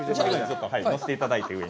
載せていただいて、上に。